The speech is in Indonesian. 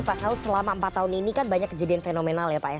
pak saud selama empat tahun ini kan banyak kejadian fenomenal ya pak ya